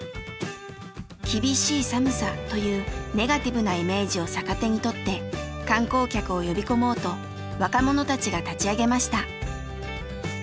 「厳しい寒さ」というネガティブなイメージを逆手にとって観光客を呼び込もうと若者たちが立ち上げました。